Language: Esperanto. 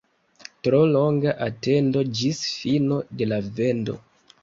Tro longa atendo ĝis fino de la vendo.